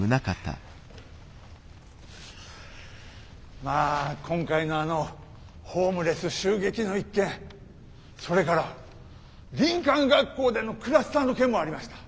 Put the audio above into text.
まあ今回のあのホームレス襲撃の一件それから林間学校でのクラスターの件もありました。